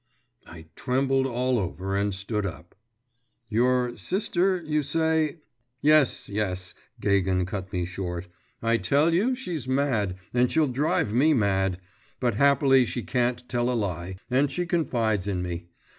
I trembled all over and stood up.… 'Your sister, you say ' 'Yes, yes,' Gagin cut me short. 'I tell you, she's mad, and she'll drive me mad. But happily she can't tell a lie, and she confides in me.